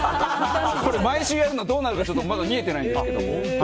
毎週やるのどうなるかまだ見えてないんですけど。